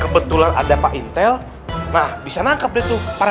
kebetulan ada pak intel nah bisa nangkep deh tuh